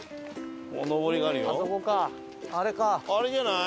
あれじゃない？